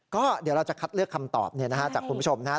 ก็เดี๋ยวเราจะคัดเลือกคำตอบเนี่ยนะฮะจากคุณผู้ชมนะฮะ